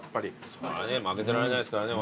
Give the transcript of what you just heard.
それは負けてられないですからね